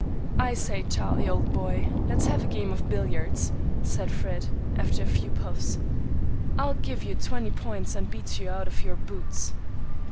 "I say, Charlie, old boy, let's have a game of billiards," said Fred, after a few puffs. "I'll give you twenty points and beat you out of your boots."